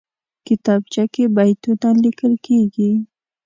کتابچه کې بیتونه لیکل کېږي